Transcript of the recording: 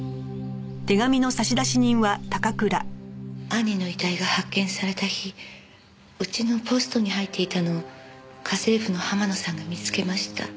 兄の遺体が発見された日うちのポストに入っていたのを家政婦の浜野さんが見つけました。